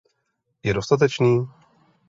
Je dostatečný?